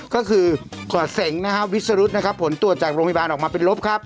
ก็คือกว่าเสงนะฮะวิสรุธนะครับผลตรวจจากโรงพยาบาลออกมาเป็นลบครับ